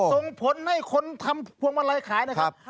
ส่งผลให้คนทำพวงมาลัยขายนะครับ